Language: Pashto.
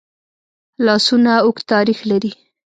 لاسونه اوږد تاریخ لري